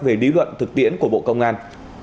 về lý luận thực tiễn của bộ công an